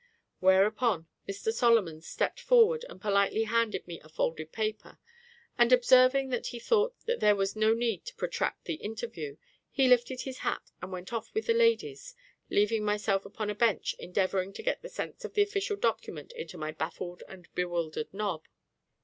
_ Whereupon Mr SOLOMONS stepped forward and politely handed me a folded paper, and, observing that he thought there was no need to protract the interview, he lifted his hat and went off with the ladies, leaving myself upon a bench endeavouring to get the sense of the official document into my baffled and bewildered nob.